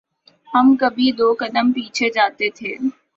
ہم کبھی دو قدم پیچھے جاتے تھے۔